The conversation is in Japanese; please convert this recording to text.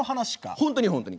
本当に本当に。